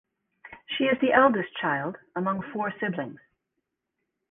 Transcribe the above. She is the eldest child among four siblings.